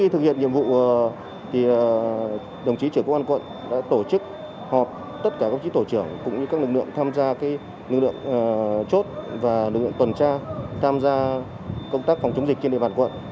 trên địa bàn quận cầu giấy lực lượng công an với vai trò là nòng cốt đang thực hiện nhiệm vụ ở hơn bốn mươi chốt và lực lượng tuần tra tham gia công tác phòng chống dịch trên địa bàn quận